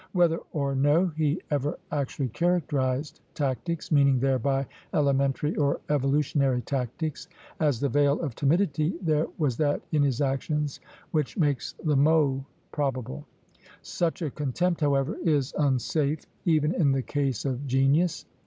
Whether or no he ever actually characterized tactics meaning thereby elementary or evolutionary tactics as the veil of timidity, there was that in his actions which makes the mot probable. Such a contempt, however, is unsafe even in the case of genius.